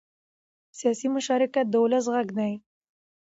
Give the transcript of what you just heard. سیاسي مشارکت د ولس غږ دی